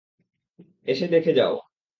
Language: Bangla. এসে দেখে যাও!